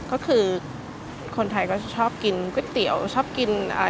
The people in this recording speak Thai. ก็คือคนไทยก็ชอบกินก๋วยเตี๋ยวชอบกินอ่า